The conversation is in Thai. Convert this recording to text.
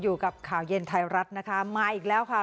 อยู่กับข่าวเย็นไทยรัฐนะคะมาอีกแล้วค่ะ